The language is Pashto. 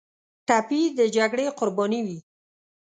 ټپي د جګړې قرباني وي.